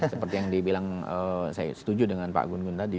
seperti yang dibilang saya setuju dengan pak gun gun tadi